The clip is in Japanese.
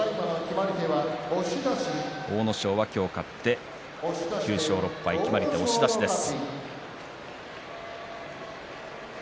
阿武咲、今日勝って９勝６敗決まり手は押し出しです。